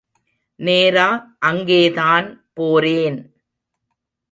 நேரா அங்கே தான் போரேன்.